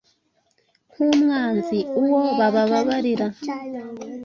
Nk’umwanzi, uwo bababarira